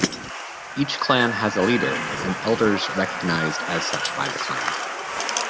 Each Clan has a Leader and Elders recognized as such by the Clan.